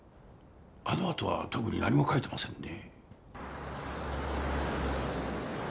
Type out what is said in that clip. あのあとは特に何も描いてませんね。